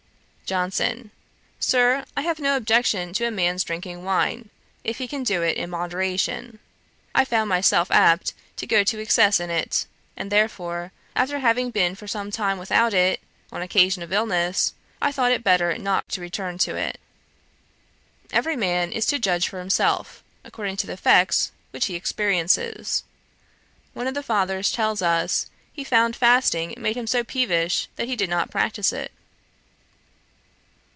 JOHNSON. 'Sir, I have no objection to a man's drinking wine, if he can do it in moderation. I found myself apt to go to excess in it, and therefore, after having been for some time without it, on account of illness, I thought it better not to return to it. Every man is to judge for himself, according to the effects which he experiences. One of the fathers tells us, he found fasting made him so peevish that he did not practise it.'